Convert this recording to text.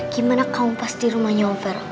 gimana kamu pas di rumahnya om fer